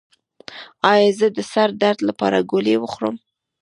ایا زه د سر درد لپاره ګولۍ وخورم؟